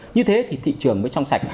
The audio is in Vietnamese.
như thế thì thị trường mới trong sạch